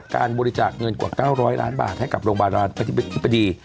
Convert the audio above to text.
การบริจาคเงินกว่า๙๐๐ล้านบาทให้กับโรงพยาบาลอาทิตย์ปฏิบัติ